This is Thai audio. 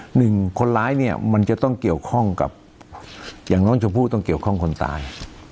หนึ่งคนร้ายเนี่ยมันจะต้องเกี่ยวข้องกับอย่างน้องชมพู่ต้องเกี่ยวข้องคนตาย